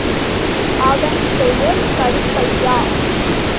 அவன் பெயர் கருப்பையா.